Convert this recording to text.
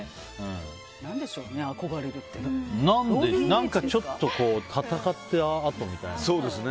何かちょっと戦った跡みたいな。